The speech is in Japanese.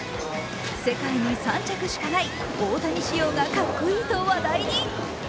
世界に３着しかない大谷仕様がかっこいいと話題に。